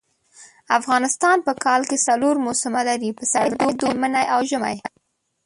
افغانستان په کال کي څلور موسمه لري . پسرلی دوبی منی او ژمی